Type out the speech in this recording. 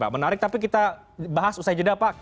menarik tapi kita bahas usai jeda pak